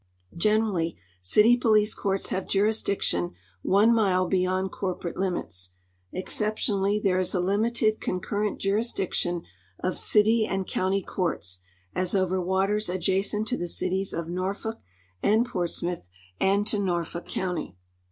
Generally, city police courts have jurisdiction one mile beyond corporate limits. Exce]>tionally, there is a limited concurrent jurisdiction of city and county courts, as over waters adjacent to the cities of Norfolk and Portsmouth and to Norfolk county.